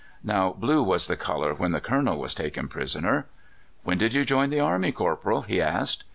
Now, blue was the colour when the Colonel was taken prisoner. "When did you join the army, corporal?" he asked.